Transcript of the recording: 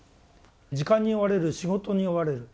時間に追われる仕事に追われる。